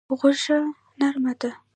غوښه نرمه ده.